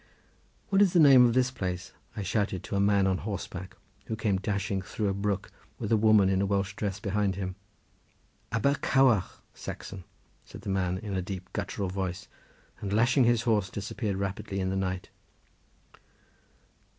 "What is the name of this place?" I shouted to a man on horseback, who came dashing through a brook with a woman in a Welsh dress behind him. "Aber Cowarch, Saxon!" said the man in a deep guttural voice, and lashing his horse disappeared rapidly in the shades of night.